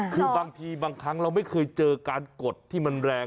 คือบางทีบางครั้งเราไม่เคยเจอการกดที่มันแรง